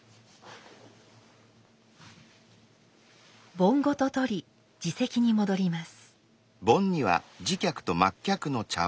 盆ごと取り自席に戻ります。